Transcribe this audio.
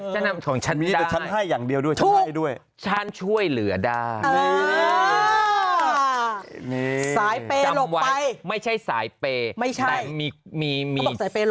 จำนำของฉันได้